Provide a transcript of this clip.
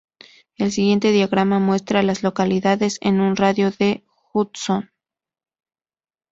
El siguiente diagrama muestra a las localidades en un radio de de Judson.